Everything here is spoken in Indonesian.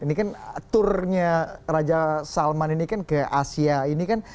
ini kan tournya raja salman ini kan ke asia ini kan